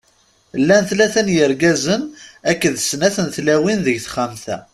Llan tlata n yirgazen akked d snat n tlawin deg texxamt-a.